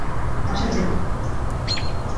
তার সাথে যেরকমভাবে করেছি তোমার সেরকমভাবেই চাই?